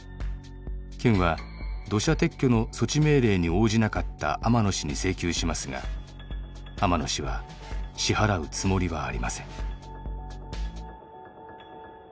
県は土砂撤去の措置命令に応じなかった天野氏に請求しますが天野氏は支払うつもりはありません。